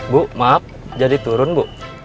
bu maaf jadi turun bu